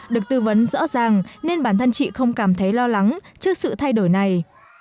được tư vấn rõ ràng nên bản thân chị không cảm thấy lo lắng trước sự thay đổi này